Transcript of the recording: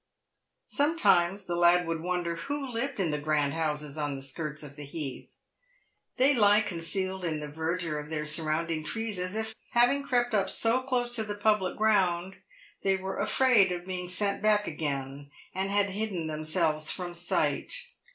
Sometimes the lad would wonder w T ho lived in the grand houses on the skirts of the heath. They lie concealed in the verdure of their surrounding trees, as if, after having crept up so close to the public ground, they were afraid of being sent back again, and had hidden 136 PAYED WITH GOLD. themselves from sight.